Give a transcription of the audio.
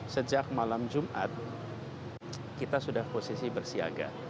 sejak malam jumat kita sudah posisi bersiaga